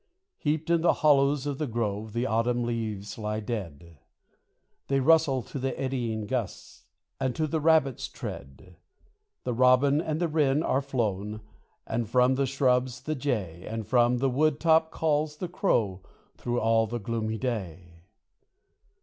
Heaped in the hollows of the grove, the autumn leaves lie dead; They rustle to the eddying gust, and to the Rabbit's tread. The Robin and the Wren are flown, and from the shrubs the Jay, And from the wood top calls the Crow through all the gloomy day.